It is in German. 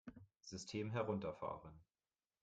System herunterfahren!